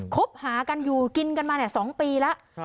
คบหากันอยู่กินกันมา๒ปีแล้ว